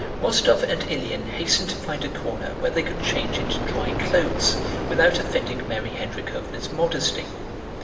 Rostóv and Ilyín hastened to find a corner where they could change into dry clothes without offending Mary Hendríkhovna's modesty.